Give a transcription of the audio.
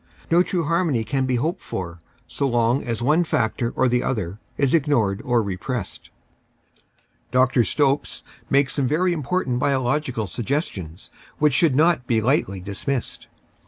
No true harmony can be hoped for so long as one factor or the other is ignored or repressed. Dr. Stopes makes some very important biological sugges tions which should not be lightly dismissed.